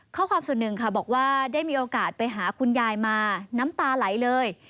ข้อความส่วนหนึ่งค่ะบอกว่าได้มีโอกาสไปหาคุณยายมาน้ำตาไหลเลย